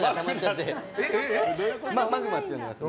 マグマって呼んでます。